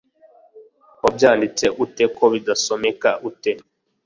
wabyanditse ute ko bidasomeka’ ute’